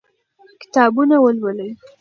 کتابونه ولولئ.